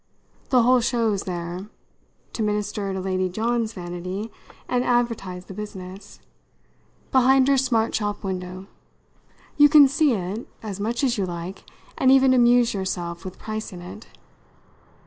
The whole show's there to minister to Lady John's vanity and advertise the business behind her smart shop window. You can see it, as much as you like, and even amuse yourself with pricing it.